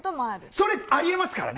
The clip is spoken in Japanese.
それ、ありえますからね。